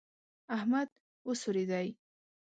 احمد وسورېدی.